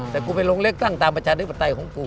แต่กูไปลงเลือกตั้งตามประชาธิปไตยของกู